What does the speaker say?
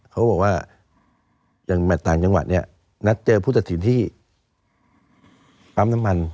เขาบอกว่าอย่างแมทต่างจังหวัดเนี่ยนัดเจอผู้ตัดสินที่ปั๊มน้ำมัน